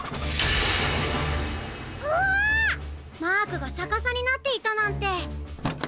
マークがさかさになっていたなんて。